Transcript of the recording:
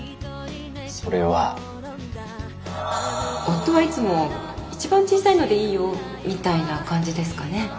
夫はいつも「一番小さいのでいいよ」みたいな感じですかね。